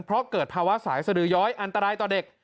เพราะเกิดภาวะสายสดือย้อยอันตรายต่อเด็ก